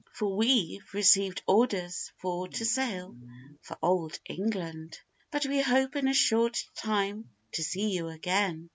For we've received orders for to sail for old England, But we hope in a short time to see you again.